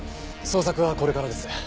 捜索はこれからです。